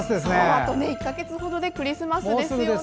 あと１か月ほどでクリスマスですね。